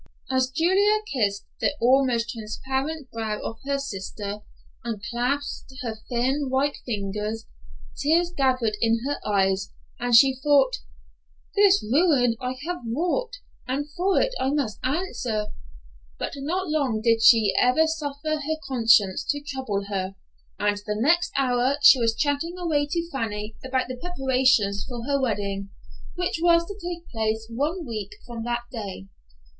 As Julia kissed the almost transparent brow of her sister, and clasped her thin, white fingers, tears gathered in her eyes and she thought, "This ruin have I wrought, and for it I must answer"; but not long did she ever suffer her conscience to trouble her, and the next hour she was chatting away to Fanny about the preparations for her wedding, which was to take place one week from that day.